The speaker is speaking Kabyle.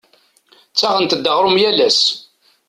Ttaɣent-d aɣrum yal ass.